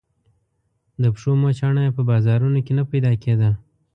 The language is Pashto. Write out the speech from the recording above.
د پښو موچڼه يې په بازارونو کې نه پيدا کېده.